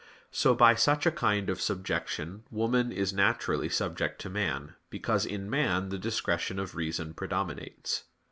So by such a kind of subjection woman is naturally subject to man, because in man the discretion of reason predominates.